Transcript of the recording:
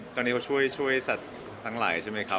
ตอนนี้เขาช่วยสัตว์ทั้งหลายใช่ไหมครับ